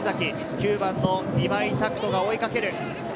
９番の今井拓人が追いかける。